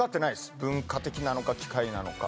文化的なのか機械なのか。